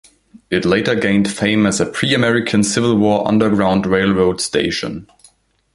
It later gained fame as a pre-American Civil War Underground Railroad station.